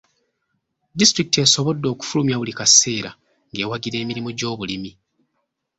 Disitulikiti esobodde okufulumya buli kaseera ng'ewagira emirimu gy'obulimi.